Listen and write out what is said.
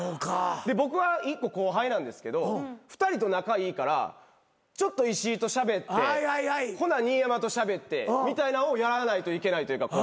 で僕は１個後輩なんですけど２人と仲いいからちょっと石井としゃべってほな新山としゃべってみたいなんをやらないといけないというか。